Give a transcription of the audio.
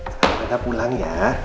sekarang rena pulang ya